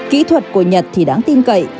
kỹ thuật của nhật thì đáng tin cậy